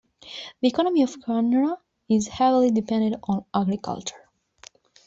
The economy of Kanra is heavily dependent on agriculture.